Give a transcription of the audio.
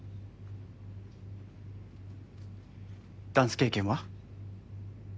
ダンス経験は？